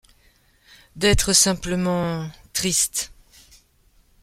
D’être simplement. .. triste.